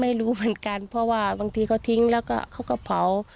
ไม่รู้เหมือนกันเพราะว่าบางทีเขาทิ้งแล้วก็เขาก็เผา